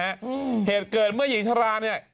อืมเหตุเกิดเมื่อหญิงชราเนี่ย